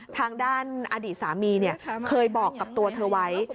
ทางด้านอดีตสามีเคยบอกกับตัวเธอไว้